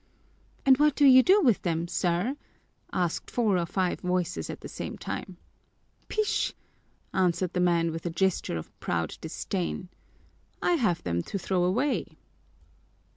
"And what do you do with them, sir?" asked four or five voices at the same time. "Pish!" answered the man with a gesture of proud disdain. "I have them to throw away!"